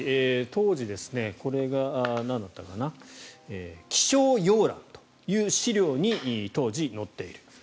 当時、これが気象要覧という資料に当時、載っている。